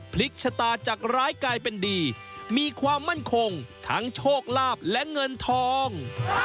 พลิกชะตาจากร้ายกลายเป็นดีมีความมั่นคงทั้งโชคลาภและเงินทอง